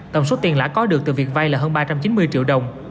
tổng số tiền lãi có được từ việc vay là hơn ba trăm chín mươi triệu đồng